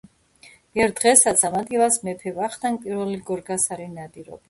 ერთ დღესაც ამ ადგილას მეფე ვახტანგ I გორგასალი ნადირობდა.